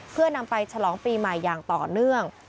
เพื่อนำไปฉลองปีใหม่อย่างต่อเนื่อง